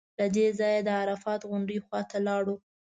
له دې ځایه د عرفات غونډۍ خوا ته لاړو.